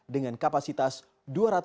dengan kapasitas dua lima meter